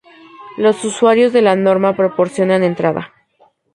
Los usuarios de la norma proporcionan entrada.